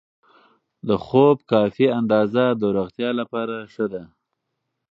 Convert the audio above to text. د خوب کافي اندازه د روغتیا لپاره ښه ده.